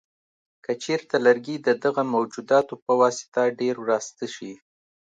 که چېرته لرګي د دغه موجوداتو په واسطه ډېر وراسته شي.